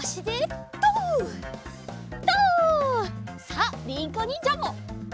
さありいこにんじゃも！